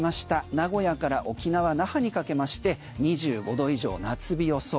名古屋から沖縄・那覇にかけまして２５度以上夏日予想。